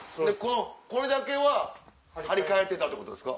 これだけは張り替えてたってことですか？